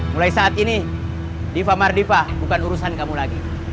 mulai saat ini diva mardipa bukan urusan kamu lagi